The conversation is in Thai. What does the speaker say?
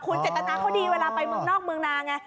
คุณเจตนาเขาดีเวลาไปเมืองนอกเมืองนาไง